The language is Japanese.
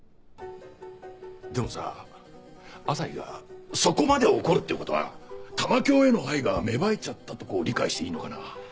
でもさ朝陽がそこまで怒るってことは玉響への愛が芽生えちゃったとこう理解していいのかな？